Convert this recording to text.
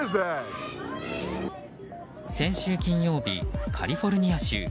先週金曜日、カリフォルニア州。